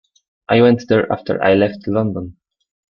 I went there after I left London.